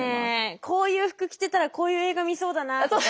こういう服着てたらこういう映画見そうだなとか。